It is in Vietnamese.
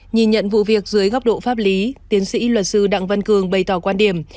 nhìn nhận vụ việc dưới góc độ pháp lý tiến sĩ luật sư đặng văn cường bày tỏ quan điểm